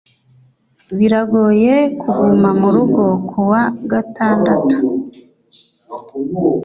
biragoye kuguma murugo kuwa gatandatu.